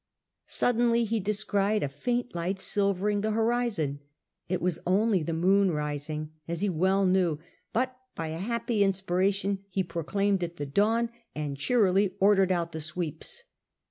Suddenly he descried a faint Ught silvering the horizon. ' It was only the moon rising, as he well knew, but by a happy inspiration he proclaimed it the dawn, and cheerily ordered out the sweeps.